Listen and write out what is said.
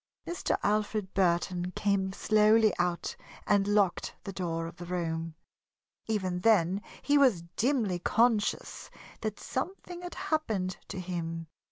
Mr. Alfred Burton came slowly out and locked the door of the room. Even then he was dimly conscious that something had happened to him.